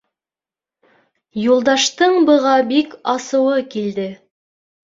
Юлдаштың быға бик асыуы килде.